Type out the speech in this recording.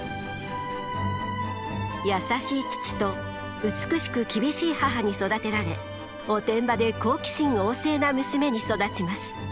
優しい父と美しく厳しい母に育てられおてんばで好奇心旺盛な娘に育ちます。